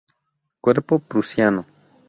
Cuerpo prusiano.